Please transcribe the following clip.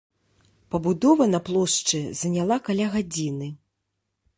Пабудова на плошчы заняла каля гадзіны.